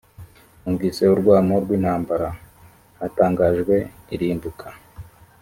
numvise urwamo rw intambara. hatangajwe irimbuka